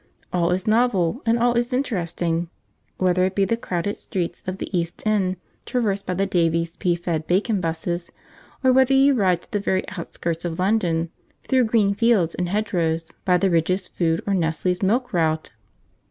All is novel, and all is interesting, whether it be crowded streets of the East End traversed by the Davies' Pea Fed Bacon 'buses, or whether you ride to the very outskirts of London, through green fields and hedgerows, by the Ridge's Food or Nestle's Milk route.